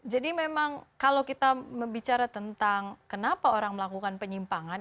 jadi memang kalau kita bicara tentang kenapa orang melakukan penyimpangan